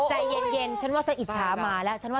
ใจเย็นถึงจะหิดชามาแล้ว